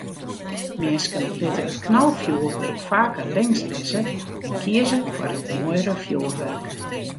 Minsken litte it knalfjoerwurk faker links lizze en kieze foar it moaiere fjoerwurk.